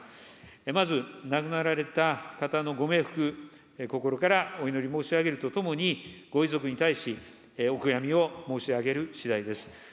まず亡くなられた方のご冥福、心からお祈り申し上げるとともに、ご遺族に対し、お悔やみを申し上げるしだいです。